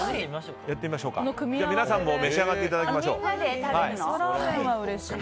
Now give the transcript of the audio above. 皆さんも召し上がっていただきましょう。